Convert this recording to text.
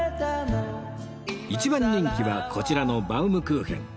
一番人気はこちらのバウムクーヘン